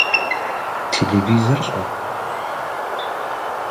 Телевизор щӏэт?